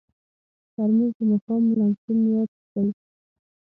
ترموز د ماښام لمسون یاد دی.